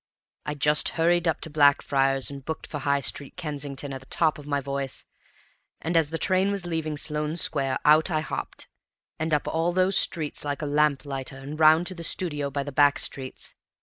I just hurried up to Blackfriars and booked for High Street, Kensington, at the top of my voice; and as the train was leaving Sloane Square out I hopped, and up all those stairs like a lamplighter, and round to the studio by the back streets.